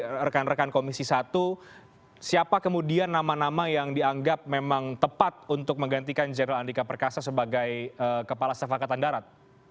dari rekan rekan komisi satu siapa kemudian nama nama yang dianggap memang tepat untuk menggantikan jenderal andika perkasa sebagai kepala staf angkatan darat